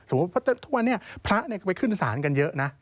สมมุติว่าทุกวันนี้พระก็ไปขึ้นศาลกันเยอะนะ